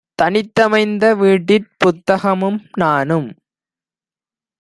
தனித்தமைந்த வீட்டிற்புத் தகமும் நானும்